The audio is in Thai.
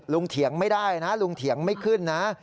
เถียงไม่ได้นะลุงเถียงไม่ขึ้นนะ